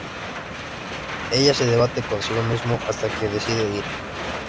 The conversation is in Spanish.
Ella se debate consigo misma hasta que decide ir.